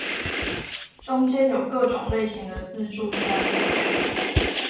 中間有各種類型的自助餐